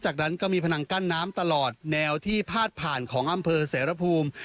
จากนั้นก็มีพนังกั้นน้ำตลอดแนวที่พาดผ่านของอำเภอเสรภูมิ